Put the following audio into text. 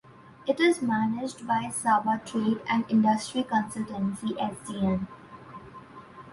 It is managed by Sabah Trade and Industry Consultancy Sdn.